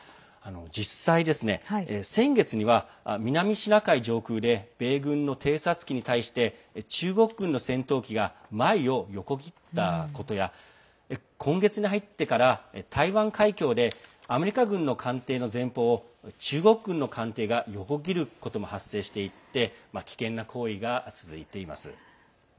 実際ですね、先月には南シナ海上空で米軍の偵察機に対して中国軍の戦闘機が前を横切ったことや今月に入ってから台湾海峡でアメリカ軍の艦艇の前方を中国軍の艦艇が横切ることも発生していて危険な行為が続いています。